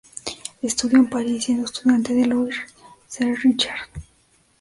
Estudió en París siendo estudiante de Louis C. Richard.